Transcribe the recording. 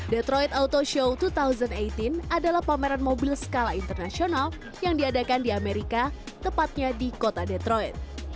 detroit auto show dua ribu delapan belas adalah pameran mobil skala internasional yang diadakan di amerika tepatnya di kota detroit